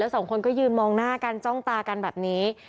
สองคนก็ยืนมองหน้ากันจ้องตากันแบบนี้